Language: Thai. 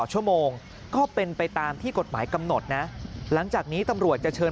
ชั่วโมงก็เป็นไปตามที่กฎหมายกำหนดนะหลังจากนี้ตำรวจจะเชิญ